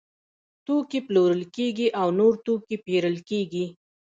توکي پلورل کیږي او نور توکي پیرل کیږي.